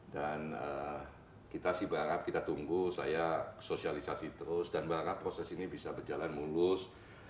dan kita sih berharap kita tunggu saya sosialisasi terus dan berharap proses ini bisa berjalan mulus